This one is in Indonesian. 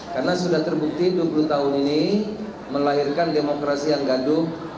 karena sudah terbukti dua puluh tahun ini melahirkan demokrasi yang gaduh